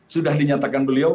sudah dinyatakan beliau